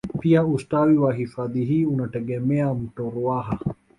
Pia ustawi wa hifadhi hii unategemea mto ruaha